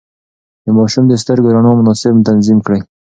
د ماشوم د سترګو رڼا مناسب تنظيم کړئ.